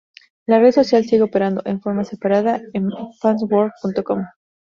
La red social sigue operando, en forma separada, en Fansworld.com.